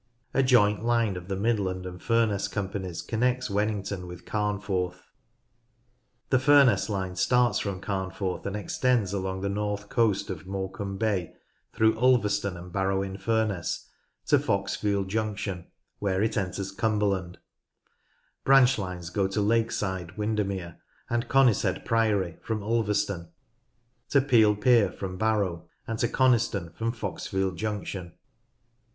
A joint line of the Midland and Fufness companies connects Wennington with Cam forth. The Furness line starts from Carnforth, and extends along the north coast of Morecambe Bay through Ulver Broken Bridge on the Canal, Lancaster ston and Barrow in Furness to Foxfield Junction, where it enters Cumberland. Branch lines go to Lake Side Windermere, and Conishead Priory from Ulverston, to Piel Pier from Barrow, and to Coniston from Foxfield Junction.